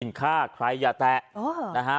สิ่งค่าใครอย่าแตะอ๋อ